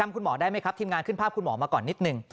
ทีมงานขึ้นภาพมาก่อนนิดนึง